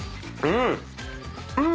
うん！